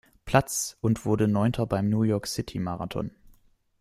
Platz und wurde Neunter beim New-York-City-Marathon.